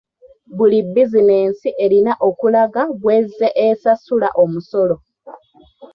Buli bizinensi erina okulaga bw'ezze esasula omusolo.